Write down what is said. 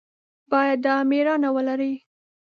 باید دا مېړانه ولري.